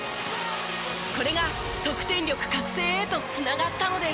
これが得点力覚醒へと繋がったのです。